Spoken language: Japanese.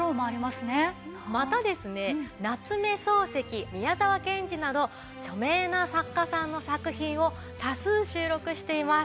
漱石宮沢賢治など著名な作家さんの作品を多数収録しています。